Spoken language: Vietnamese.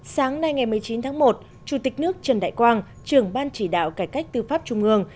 sáng nay ngày một mươi chín tháng một chủ tịch nước trần đại quang trưởng ban chỉ đạo cải cách tư pháp trung ương